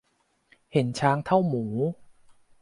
เห็นช้างเท่าหมู